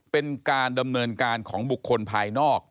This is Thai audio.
เป็นการดำเนินการของบุคคลภายนอก